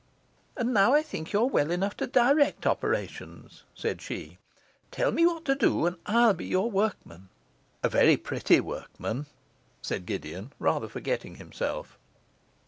'And now I think you are well enough to direct operations,' said she. 'Tell me what to do, and I'll be your workman.' 'A very pretty workman,' said Gideon, rather forgetting himself.